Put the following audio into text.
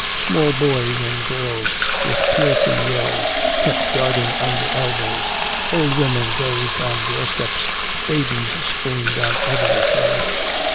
Small boys and girls with piercing yells kept darting under elbows, old women dozed on doorsteps, babies screamed on every side.